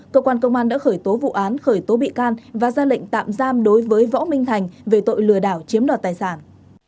cơ quan công an đã khởi tố vụ án khởi tố bị can và ra lệnh tạm giam đối với võ minh thành về tội lừa đảo chiếm đoạt tài sản